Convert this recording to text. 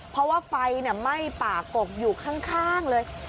เพราะว่าไฟไหม้ป่ากกอยู่ข้างเลย